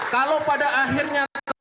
kalau pada akhirnya